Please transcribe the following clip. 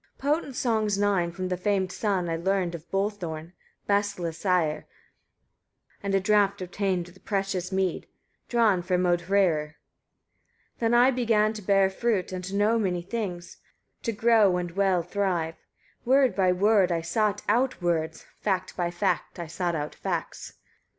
142. Potent songs nine from the famed son I learned of Bolthorn, Bestla's sire, and a draught obtained of the precious mead, drawn from Odhrærir. 143. Then I began to bear fruit, and to know many things, to grow and well thrive: word by word I sought out words, fact by fact I sought out facts.